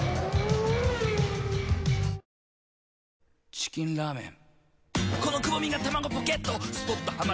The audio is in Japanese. チキンラーメン。